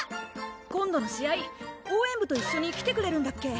今度の試合応援部と一緒に来てくれるんだっけ？